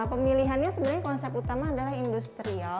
pemilihannya sebenarnya konsep utama adalah industrial